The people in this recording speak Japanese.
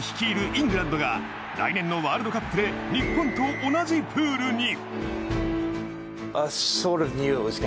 イングランドが来年のワールドカップで日本と同じプールに。